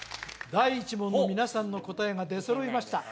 第１問の皆さんの答えが出揃いました